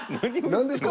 何ですか？